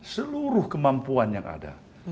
seluruh kemampuan yang ada